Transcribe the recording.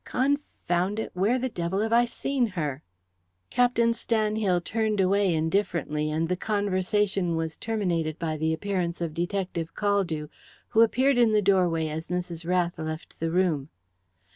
Confound it, where the devil have I seen her?" Captain Stanhill turned away indifferently, and the conversation was terminated by the appearance of Detective Caldew, who appeared in the doorway as Mrs. Rath left the room.